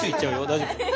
大丈夫？